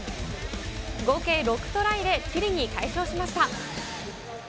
合計６トライでチリに快勝しました。